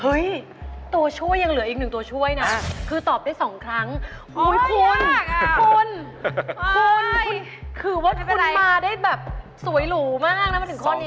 ตัวช่วยยังเหลืออีกหนึ่งตัวช่วยนะคือตอบได้๒ครั้งคุณคุณคือว่าคุณมาได้แบบสวยหรูมากนะมาถึงข้อนี้